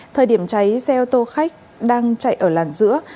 thời điểm cháy xe ô tô khách đang chạy ở làn giữa